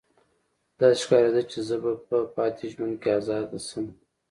داسې ښکاریده چې زه به په پاتې ژوند کې ازاده شم